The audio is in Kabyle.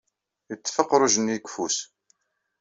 Yeṭṭef aqruj-nni deg ufus.